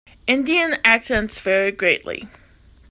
Indian accents vary greatly.